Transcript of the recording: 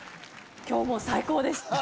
今日も最高でした！